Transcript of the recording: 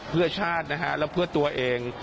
เพื่อชาตินะฮะและเพื่อตัวเอง